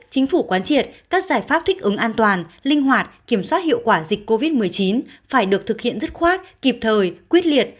chính phủ quán triệt các giải pháp thích ứng an toàn linh hoạt kiểm soát hiệu quả dịch covid một mươi chín phải được thực hiện dứt khoát kịp thời quyết liệt